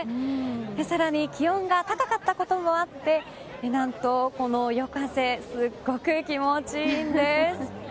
更に気温が高かったこともあって夜風がすごく気持ちいいんです。